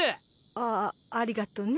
ああありがとね。